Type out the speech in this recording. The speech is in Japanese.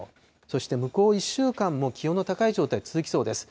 そして向こう１週間も気温の高い状態、続きそうです。